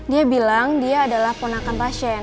dia bilang dia adalah ponakan pasien